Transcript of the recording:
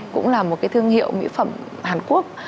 cũng là một cái thương hiệu mỹ phẩm hàn quốc